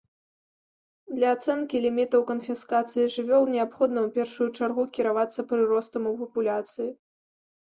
Для ацэнкі лімітаў канфіскацыі жывёл неабходна ў першую чаргу кіравацца прыростам у папуляцыі.